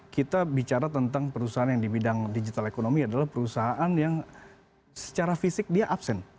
kita bicara tentang perusahaan yang di bidang digital economy adalah perusahaan yang secara fisik dia absen